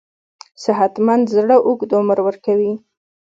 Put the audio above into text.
صحتمند زړه اوږد عمر ورکوي.